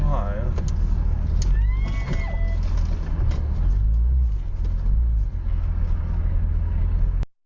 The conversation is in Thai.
หายแล้ว